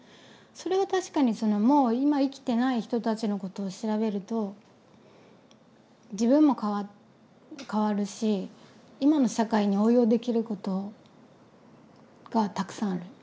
それは確かにそのもう今生きてない人たちのことを調べると自分も変わるし今の社会に応用できることがたくさんある。